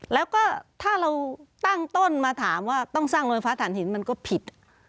แล้วก็ถ้าเราตั้งต้นมาถามว่าต้องสร้างโรงไฟฟ้าฐานหินมันก็ผิด